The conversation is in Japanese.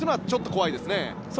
ちょっと、怖いですね。